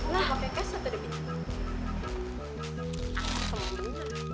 maka keset ada debit